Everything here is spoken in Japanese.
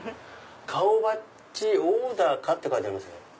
「顔バッチオーダー可」って書いてありますね。